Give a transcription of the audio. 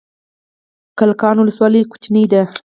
کلکان ولسوالۍ کوچنۍ ده؟